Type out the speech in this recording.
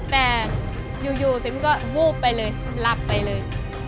แต่อยู่ซิมก็วูบไปเลยหลับไปเลย